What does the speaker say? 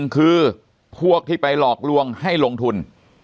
คือพวกที่ไปหลอกลวงให้ลงทุน